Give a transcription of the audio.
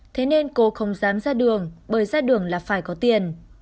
thế nên cô không dám ra đường bởi ra đường là phải có tiền